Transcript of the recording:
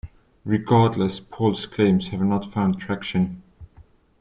Regardless, Paul's claims have not found traction.